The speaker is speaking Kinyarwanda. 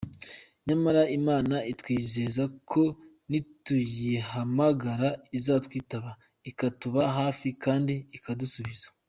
Nyamara Imana itwizeza ko nituyihamagara izatwitaba ikatuba hafi kandi ikadusubiza.